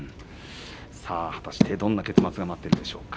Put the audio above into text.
さあ果たしてどんな結末が待っているでしょうか。